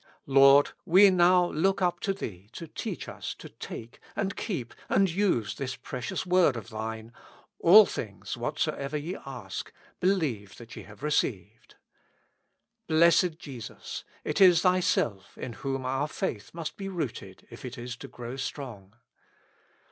Lord ! we now look up to Thee to teach us to take and keep and use chis precious word of Tliine :" All things whatsoever ye ask, believe that ye have re ceived." Blessed Jesus ! it is Thyself in whom our faith must be rooted if it is to grow strong.